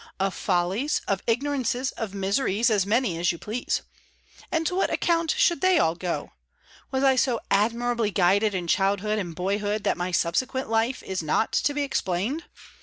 Of follies, of ignorances, of miseries as many as you please. And to what account should they all go? Was I so admirably guided in childhood and boyhood that my subsequent life is not to be explained?